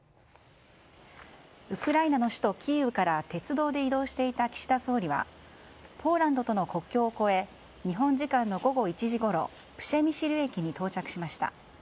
ウクライナの首都キーウから鉄道で移動していた岸田総理はポーランドとの国境を越え日本時間の午後１時ごろプシェミシル駅に到着しました。